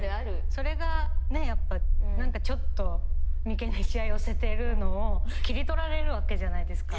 それがねやっぱちょっと眉間にしわ寄せてるのを切り取られるわけじゃないですか。